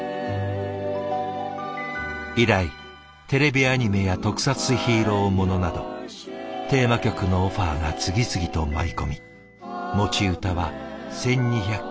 以来テレビアニメや特撮ヒーローものなどテーマ曲のオファーが次々と舞い込み持ち歌は１，２００曲以上。